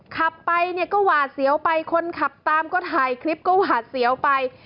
ขับไปเนี่ยก็หวาดเสียวไปคนขับตามก็ถ่ายคลิปก็หวาดเสียวไป